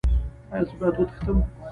ایا زه باید وتښتم؟